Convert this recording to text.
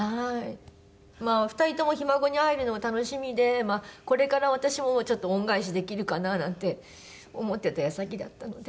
まあ２人ともひ孫に会えるのが楽しみでこれから私もちょっと恩返しできるかななんて思ってた矢先だったので。